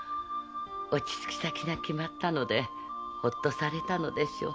落ち着き先が決まったのでほっとされたのでしょう。